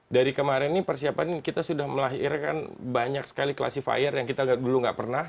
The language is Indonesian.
dari kemarin ini persiapan kita sudah melahirkan banyak sekali classifier yang kita dulu nggak pernah